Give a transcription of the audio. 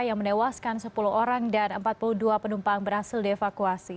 yang menewaskan sepuluh orang dan empat puluh dua penumpang berhasil dievakuasi